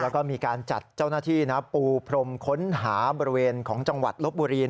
แล้วก็มีการจัดเจ้าหน้าที่ปูพรมค้นหาบริเวณของจังหวัดลบบุรี